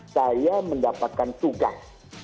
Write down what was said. saya mendapatkan tugas